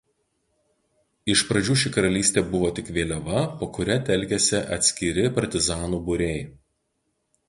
Iš pradžių ši karalystė buvo tik vėliava po kuria telkėsi atskiri partizanų būriai.